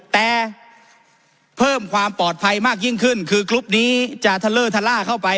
แต่เพิ่มความปลอดภัยมากยิ่งขึ้นคือกรุ๊ปนี้จะทะเลอร์ทะล่าเข้าไป